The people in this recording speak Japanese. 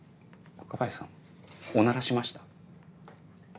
若林さんおならしました？